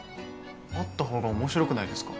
あったほうが面白くないですか。